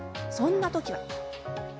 そんなときは。